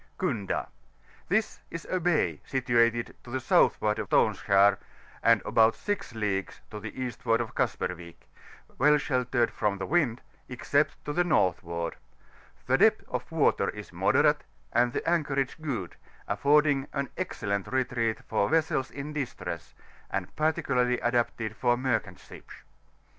XVNDA. — ^This is a bay situated to the southward of Stoneskar, and about 6 leagues to the eastward of Kasperwick, well sheltered from the wind, except to the northward : the depth of water is moderate, and the anchorage good, afibrding an excellent retreat for vessels in distress, and particularly adapted for merchant ships.